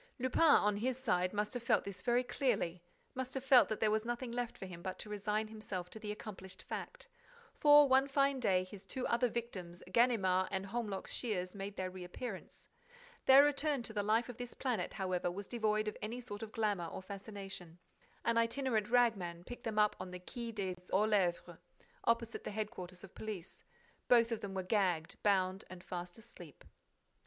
Lupin, on his side, must have felt this very clearly, must have felt that there was nothing left for him but to resign himself to the accomplished fact; for, one fine day, his two other victims, Ganimard and Holmlock Shears, made their reappearance. Their return to the life of this planet, however, was devoid of any sort of glamor or fascination. An itinerant rag man picked them up on the Quai des Orfèvres, opposite the headquarters of police. Both of them were gagged, bound and fast asleep.